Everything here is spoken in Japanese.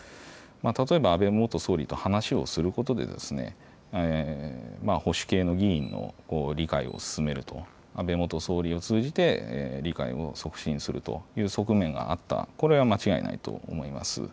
例えば安倍元総理と話をすることで保守系の議員の理解を進める、理解を促進するという側面もあった、これは間違いないと思います。